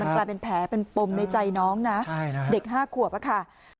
มีแผลเป็นปมในใจน้องนะเด็ก๕คั่วป่ะค่ะ